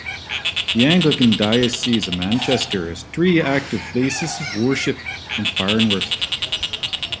The Anglican Diocese of Manchester has three active places of worship in Farnworth.